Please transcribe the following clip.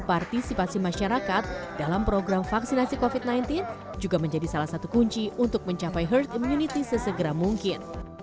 partisipasi masyarakat dalam program vaksinasi covid sembilan belas juga menjadi salah satu kunci untuk mencapai herd immunity sesegera mungkin